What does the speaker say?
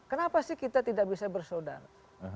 kenapa sih kita tidak bisa bersaudara